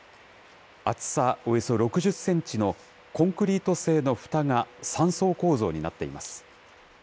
厚さおよそ６０センチのコンクリート製のふたが３層構造になっています。